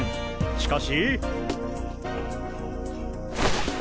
しかし。